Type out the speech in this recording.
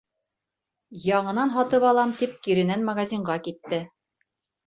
Яңынан һатып алам, тип киренән магазинға китте.